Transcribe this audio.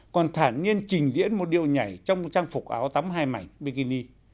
còn thản nhiên trình diễn một điệu nhảy trong trang phục áo tắm hai mảnh bikini